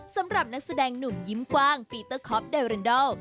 สำหรับนักแสดงหนุ่มยิ้มกว้างปีเตอร์คอปเดเรนดอล